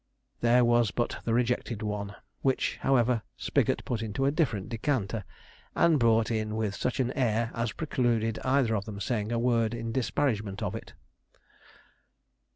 There was but the rejected one, which, however, Spigot put into a different decanter, and brought in with such an air as precluded either of them saying a word in disparagement of it.